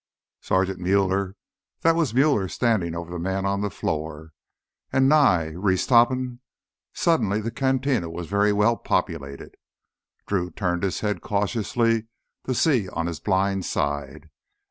Sergeant Muller ... that was Muller standing over the man on the floor. And Nye ... Reese Topham ... suddenly the cantina was very well populated. Drew turned his head cautiously to see on his blind side.